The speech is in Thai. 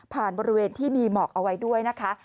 ผ่านบริเวณที่มีเหมาะเอาไว้ด้วยนะคะ